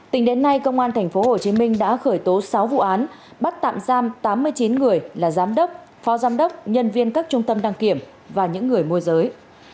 tính đến nay công an tp hcm đã khởi tố sáu vụ án bắt tạm giam tám mươi chín người là giám đốc phó giám đốc nhân viên các trung tâm đăng kiểm và những người môi giới